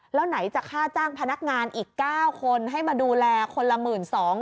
แล้วไหนจะค่าจ้างพนักงานอีกก้าวคนให้มาดูแรเคนละมึงสอง